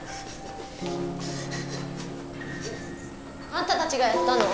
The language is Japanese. ・あんたたちがやったの？